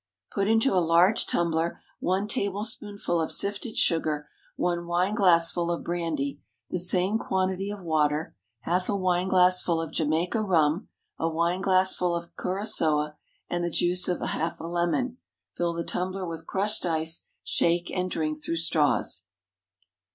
_ Put into a large tumbler one tablespoonful of sifted sugar, one wine glassful of brandy, the same quantity of water, half a wine glassful of Jamaica rum, a wine glassful of curaçoa, and the juice of half a lemon; fill the tumbler with crushed ice, shake, and drink through straws.